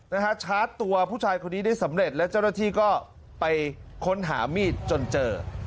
นะฮะชาร์จตัวผู้ชายคนนี้ได้สำเร็จแล้วเจ้าหน้าที่ก็ไปค้นหามีดจนเจอ